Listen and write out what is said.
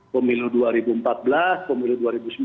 pemilu dua ribu empat belas pemilu dua ribu sembilan belas